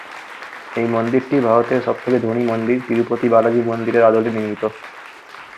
এই মন্দিরটি ভারতের সব থেকে ধনী মন্দির তিরুপতি বালাজি মন্দিরের আদলে নির্মিত।